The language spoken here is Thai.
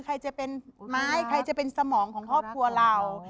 ใครจะเป็นไม้ใครจะเป็นสมองของครอบครัวเรา